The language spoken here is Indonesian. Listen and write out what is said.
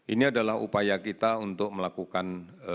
ini adalah upaya kita untuk melakukan